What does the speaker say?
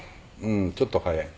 うんちょっと早い。